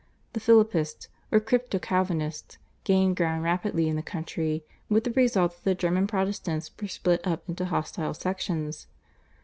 The Philippists or Crypto Calvinists gained ground rapidly in the country, with the result that the German Protestants were split up into hostile sections.